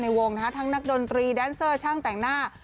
วงนะคะทั้งนักดนตรีแดนเซอร์ช่างแต่งหน้า